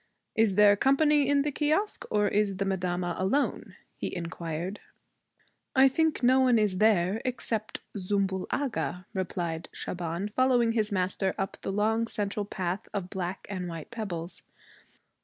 'Is there company in the kiosque or is madama alone?' he inquired. 'I think no one is there except Zümbül Agha,' replied Shaban, following his master up the long central path of black and white pebbles.